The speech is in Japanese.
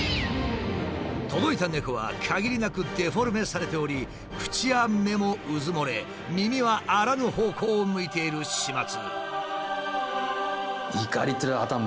届いた猫はかぎりなくデフォルメされており口や目もうずもれ耳はあらぬ方向を向いている始末。